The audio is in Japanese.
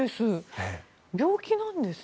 病気なんですね。